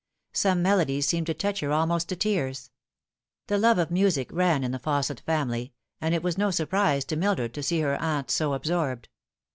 Some melodies seemed to touch her almost to tears. The love of music ran in the Fausset family, and it was no surprise to Mildred to see her aunt so absorbed.